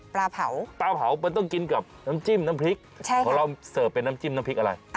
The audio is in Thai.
ปลาเผาปลาเผามันต้องกินกับน้ำจิ้มน้ำพริกของเราเสิร์ฟเป็นน้ำจิ้มน้ำพริกอะไร